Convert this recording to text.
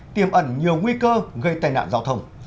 tiềm ẩn nhiều nguy cơ gây tai nạn giao thông